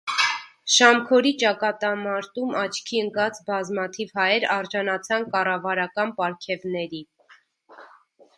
Շամքորի ճակատամարտում աչքի ընկած բազմաթիվ հայեր արժանացան կառավարական պարգևների։